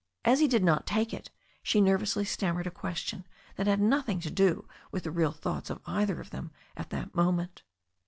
As he did not take it, she nervously stammered a question that had nothing to do with the real thoughts of either of them at that moment.